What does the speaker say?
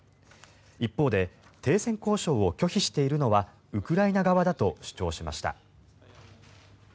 一方で停戦交渉を拒否しているのはウクライナ側だと主張しました。